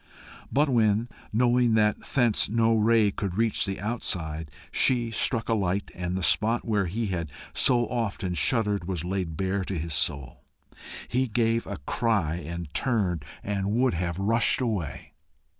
But when, knowing that thence no ray could reach the outside, she struck a light, and the spot where he had so often shuddered was laid bare to his soul, he gave a cry and turned and would have rushed away.